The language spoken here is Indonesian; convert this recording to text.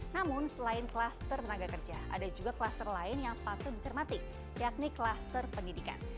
namun selain kluster tenaga kerja ada juga kluster lain yang patut dicermati yakni kluster pendidikan